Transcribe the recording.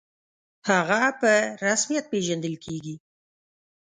«هغه» په رسمیت پېژندل کېږي.